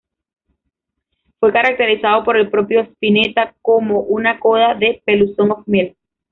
Fue caracterizado por el propio Spinetta como "una coda de "Pelusón of milk"".